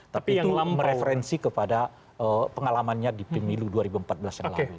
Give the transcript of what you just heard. tapi itu mereferensi kepada pengalamannya di pemilu dua ribu empat belas yang lalu